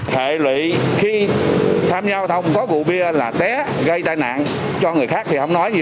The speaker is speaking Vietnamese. hệ lụy khi tham gia giao thông có rượu bia là té gây tai nạn cho người khác thì không nói gì